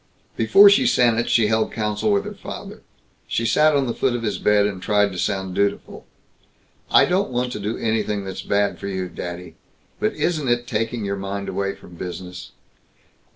Before she sent it she held council with her father. She sat on the foot of his bed and tried to sound dutiful. "I don't want to do anything that's bad for you, daddy. But isn't it taking your mind away from business?"